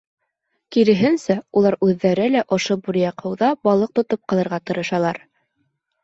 Киреһенсә, улар үҙҙәре лә ошо буръяҡ һыуҙа балыҡ тотоп ҡалырға тырышалар.